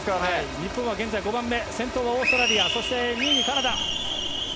日本は現在５番目先頭がオーストラリア２位にカナダ。